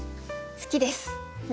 好きです。